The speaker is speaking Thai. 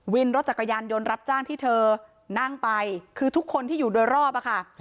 วินรถจักรยานยนต์รับจ้างที่เธอนั่งไปคือทุกคนที่อยู่โดยรอบอะค่ะ